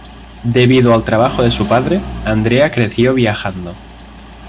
Debido al trabajo de su padre, Andrea creció viajando.